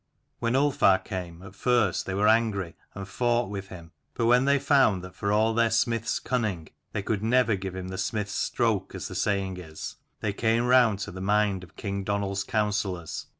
When Ulfar came, at first they were angry, and fought with him : but when they found that for all their smith's cunning they could never give him the smith's stroke, as the saying is, they came round to the mind of king Donal's counsellors that Ketel v ezs sv r.